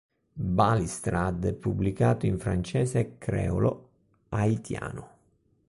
Balistrad è pubblicato in francese e creolo haitiano.